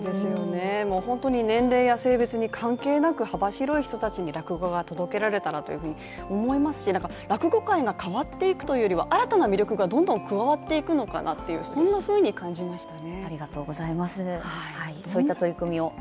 本当に年齢や性別に関係なく幅広い人たちに落語が届けられたらと思いますし、落語界が変わっていくというよりは新たな魅力がどんどん加わっていくのかなっていう、そんなふうに感じましたね。